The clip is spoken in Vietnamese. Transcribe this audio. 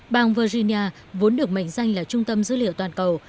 bang virginia vốn được mệnh danh là trung tâm dữ liệu toàn cầu